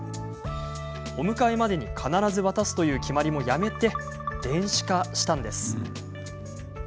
お迎えまでに必ず渡すという決まりもやめて電子化したんです。